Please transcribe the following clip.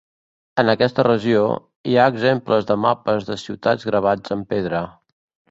En aquesta regió, hi ha exemples de mapes de ciutats gravats en pedra.